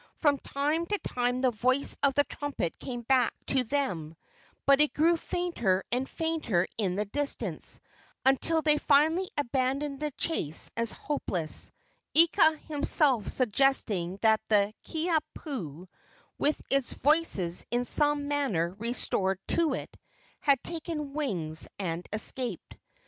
From time to time the voice of the trumpet came back to them; but it grew fainter and fainter in the distance, until they finally abandoned the chase as hopeless, Ika himself suggesting that the Kiha pu, with its voices in some manner restored to it, had taken wings and escaped.